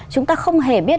chúng ta không hề biết